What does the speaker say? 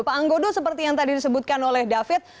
pak anggodo seperti yang tadi disebutkan oleh david